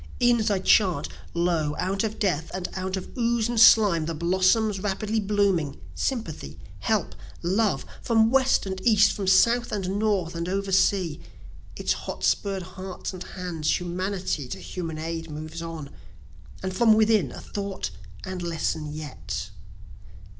E'en as I chant, lo! out of death, and out of ooze and slime, The blossoms rapidly blooming, sympathy, help, love, From West and East, from South and North and over sea, Its hot spurr'd hearts and hands humanity to human aid moves on; And from within a thought and lesson yet.